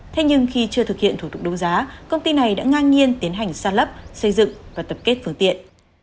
thế nhưng khi chưa thực hiện thủ tục đấu giá công ty này đã ngang nhiên tiến hành sàn lấp xây dựng và tập kết phương tiện